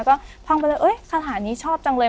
ก็ท่องไปเลยเอ๊ะคาถานี้ชอบจังเลย